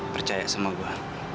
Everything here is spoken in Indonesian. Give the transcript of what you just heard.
percaya sama gue